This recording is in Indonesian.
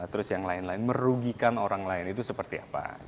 terus yang lain lain merugikan orang lain itu seperti apa